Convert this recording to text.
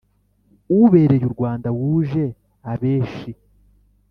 ubereye u rwanda wuje abeeshi,